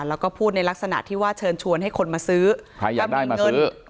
แล้วก็พูดในลักษณะที่ว่าเชิญชวนให้คนมาซื้อถ้ามีเงิน